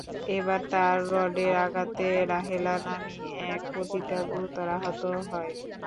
এবার তার রডের আঘাতে রাহেলা নামী এক পতিতা গুরুতর আহত হয়।